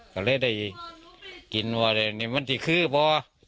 ก็เลยได้กินว่านี่มันที่คือบ่อ